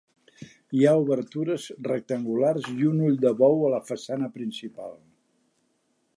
Hi ha obertures rectangulars i un ull de bou a la façana principal.